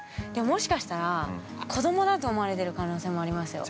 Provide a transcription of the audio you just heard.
◆もしかしたら子供だと思われてる可能性もありますよ。